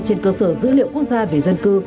trên cơ sở dữ liệu quốc gia về dân cư